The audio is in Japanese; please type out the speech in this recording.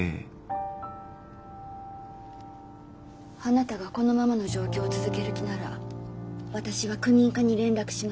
あなたがこのままの状況を続ける気なら私は区民課に連絡します。